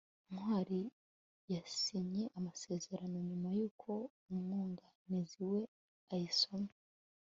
ntwali yasinye amasezerano nyuma yuko umwunganizi we ayisomye